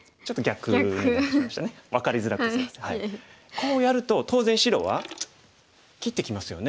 こうやると当然白は切ってきますよね。